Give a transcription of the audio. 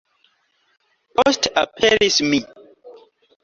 Poste aperis mi.